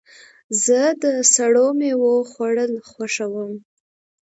زه د سړو میوو خوړل خوښوم.